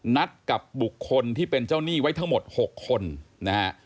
นัดกับบุคคลที่เป็นเจ้าหนี้ไว้ทั้งหมด๖คนนะฮะ